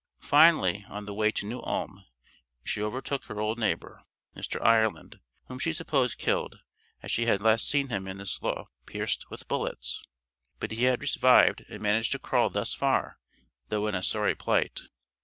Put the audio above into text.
Finally on the way to New Ulm she overtook her old neighbor, Mr. Ireland, whom she supposed killed, as she had last seen him in the slough pierced with bullets, but he had revived and managed to crawl thus far, though in a sorry plight.